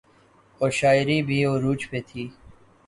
اورشاعری بھی عروج پہ تھی۔